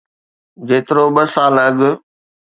جيترو ٻه سال اڳ.